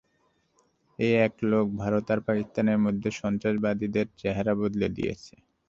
এই এক লোক, ভারত আর পাকিস্তানে মধ্যে সন্ত্রাসীবাদের চেহারা বদলে দিয়েছে।